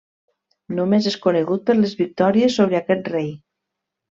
Només és conegut per les victòries sobre aquest rei.